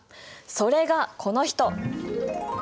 それがこの人。